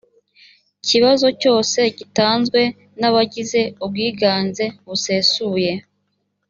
kibazo cyose gitanzwe n abagize ubwiganze busesuye